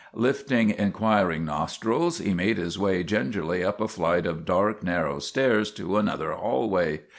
Lifting inquiring nostrils he made his way gingerly up a flight of dark, narrow stairs to another hallway.